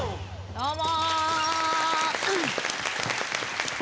どうも。